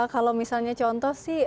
kalau misalnya contoh sih